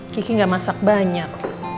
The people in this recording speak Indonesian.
kiki gak masak banyak